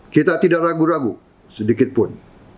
kita tidak ragu ragu sedikitpun